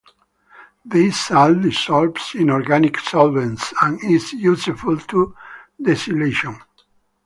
This salt dissolves in organic solvents and is useful to desilylation.